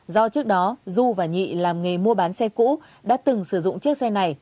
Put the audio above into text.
do trước đó du và nhị làm nghề mua bán xe cũ đã từng sử dụng chiếc xe này